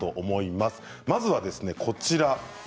まずはこちら。